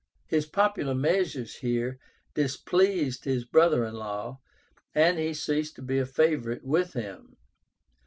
His popular measures here displeased his brother in law, and he ceased to be a favorite with him.